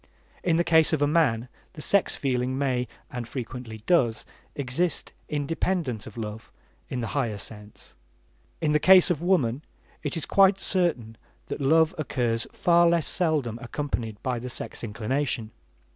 In the case of man the sex feeling may, and frequently does exist independent of love in the higher sense; in the case of woman it is quite certain that love occurs far less seldom unaccompanied by the sex inclination.